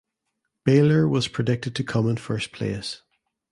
Baylor was predicted to come in first place.